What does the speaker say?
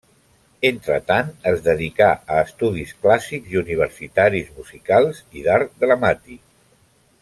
Entretant es dedicà a estudis clàssics i universitaris, musicals i d'art dramàtic.